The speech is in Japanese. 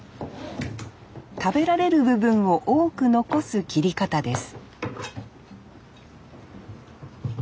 食べられる部分を多く残す切り方です